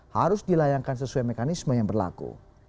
harus dilayangkan sesuai mekanisme yang berlaku